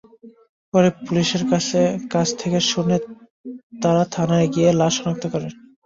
পরে পুলিশের কাছ থেকে শুনে তাঁরা থানায় গিয়ে লাশ শনাক্ত করেন।